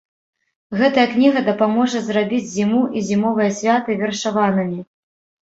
Гэтая кніга дапаможа зрабіць зіму і зімовыя святы вершаванымі.